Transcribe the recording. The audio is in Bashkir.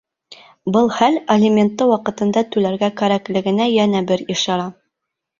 Был хәл — алиментты ваҡытында түләргә кәрәклегенә йәнә бер ишара.